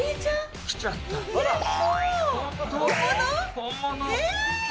本物？